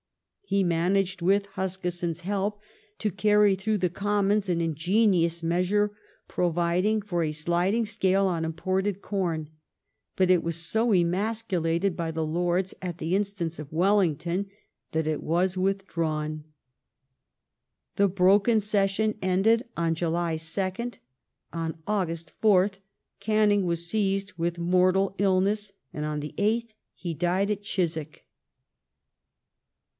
^ He managed with Huskisson's help to carry through the Commons an ingenious ( measure providing for a sliding scale on imported corn, but it was | so emasculated by the Lords at the instance of Wellington that it 1 was withdrawn. The broken session ended on July 2nd ; on August 4th Canning was seized with mortal illness, and on the 8th he died at Chiswick.